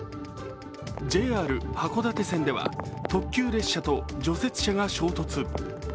ＪＲ函館線では、特急列車と除雪車が衝突。